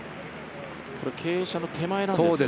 傾斜の手前なんですよね。